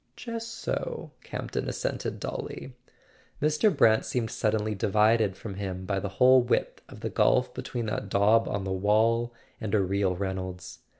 "Just so," Campton assented dully. Mr. Brant seemed suddenly divided from him by the whole width of the gulf between that daub on the wall and a real Reynolds.